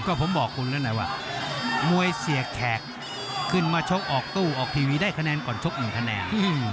ก็ผมบอกคุณแล้วนะว่ามวยเสียแขกขึ้นมาชกออกตู้ออกทีวีได้คะแนนก่อนชก๑คะแนน